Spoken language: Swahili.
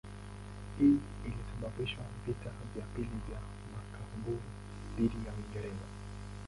Hii ilisababisha vita vya pili vya Makaburu dhidi ya Uingereza.